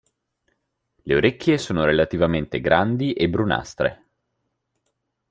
Le orecchie sono relativamente grandi e brunastre.